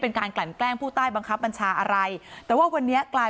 การกลั่นแกล้งผู้ใต้บังคับบัญชาอะไรแต่ว่าวันนี้กลาย